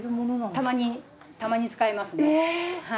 たまにたまに使いますね。